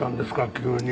急に。